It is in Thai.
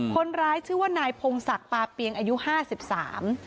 คนร้ายชื่อว่านายพงศักดิ์ปาเปียงอายุห้าสิบสาม